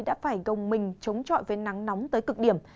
đã phải gồng mình chống trọi với nắng nóng tới cực điểm